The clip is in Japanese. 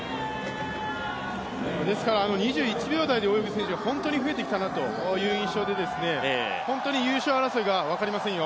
２１秒台で泳ぐ選手が本当に増えてきたなという印象で本当に優勝争いが分かりませんよ。